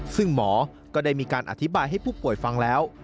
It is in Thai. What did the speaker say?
ซึ่งหมอก็ได้มีการอธิบายให้ผู้ป่วยฟังแล้ว